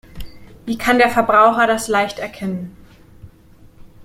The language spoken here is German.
Wie kann der Verbraucher das leicht erkennen?